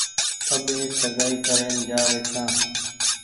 آٻي سگآئي ڪرين جآ ري ڇآن۔